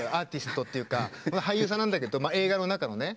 俳優さんなんだけど映画の中のね。